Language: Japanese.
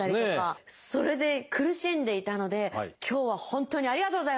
それで苦しんでいたので今日は本当にありがとうございます！